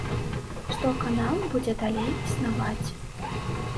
Што канал будзе далей існаваць.